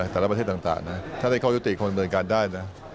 แต่ละประเทศต่างนะถ้าได้เข้ายุติความบรรยากาศได้นะ